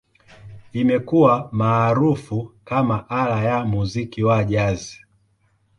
Imekuwa maarufu kama ala ya muziki wa Jazz.